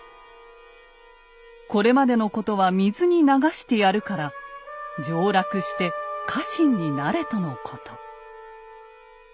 これまでのことは水に流してやるから上洛して家臣になれとのこと。